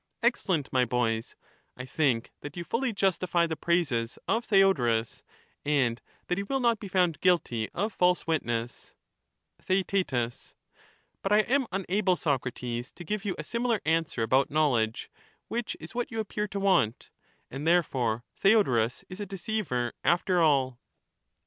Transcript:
Excellent, my boys; I think that you fully justify the praises of Theodorus, and that he will not be found guilty of false witness. But he can Thcoet But I am unable, Socrates, to give you a similar defiidtion^of ^^^swer about knowledge, which is what you appear to want ; knowledge, and therefore Theodorus is a deceiver after all.